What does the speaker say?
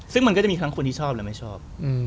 ซึ่งมันก็จะมีทั้งคนที่ชอบและไม่ชอบ